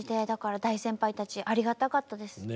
だから大先輩たちありがたかったです。